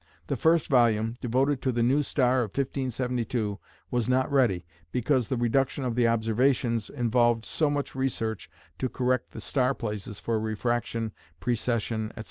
The first volume, devoted to the new star of 1572, was not ready, because the reduction of the observations involved so much research to correct the star places for refraction, precession, etc.